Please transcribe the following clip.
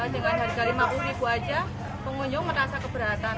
dengan harga rp lima puluh ribu saja pengunjung merasa keberatan